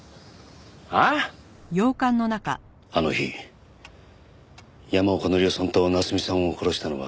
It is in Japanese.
あの日山岡紀夫さんと夏美さんを殺したのは。